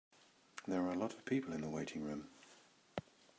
There were a lot of people in the waiting room.